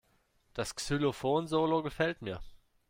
Das Xylophon-Solo gefällt mir.